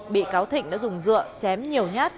bị cáo thịnh đã dùng rửa chém nhiều nhát